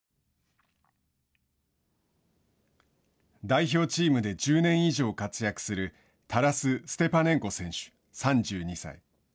代表チームで１０年以上活躍するタラス・ステパネンコ選手、３２歳。